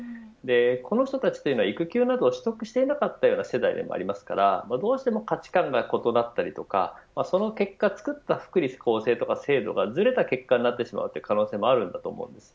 この人たちは育休などを取得していなかった世代でもありますからどうしても価値観が異なったりその結果作った福利厚生や制度がずれた結果になってしまう可能性もあります。